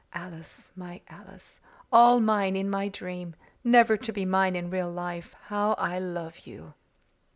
Alice, my Alice all mine in my dream never to be mine in real life how I love you!"